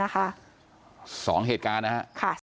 ๒เหตุการณ์นะครับ